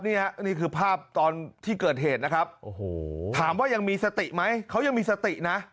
นี่คือภาพตอนที่เกิดเหตุนะครับโอ้โหถามว่ายังมีสติไหมเขายังมีสตินะ